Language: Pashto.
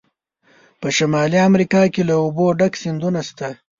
په شمالي امریکا کې له اوبو ډک سیندونه شته.